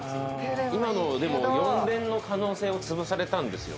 今のでも４連の可能性をつぶされたんですよ。